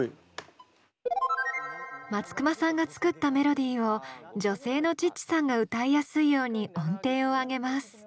松隈さんが作ったメロディーを女性のチッチさんが歌いやすいように音程を上げます。